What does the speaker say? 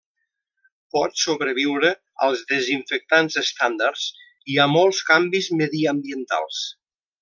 Pot sobreviure als desinfectants estàndards i a molts canvis mediambientals.